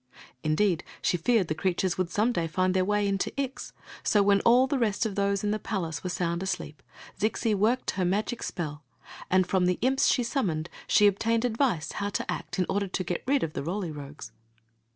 Indeed, she feared the creatures would some day find their way into Ix ; so when all the rest of those in the palace were sound asleep, Zixi worked her magic spell, and from the imps she summoned she obtained advice how to act in order to get rid of the Roly Rogues.